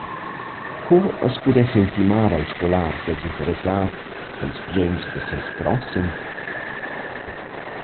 Co as pudessa intimar al scolar da s’interessar pels bsögns da seis prossem?